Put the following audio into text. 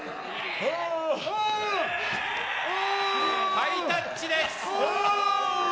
ハイタッチです！